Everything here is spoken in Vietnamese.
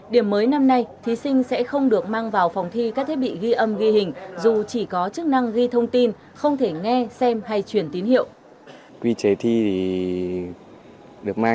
điểm mới năm nay thí sinh sẽ được đặt vào trường công an nhân dân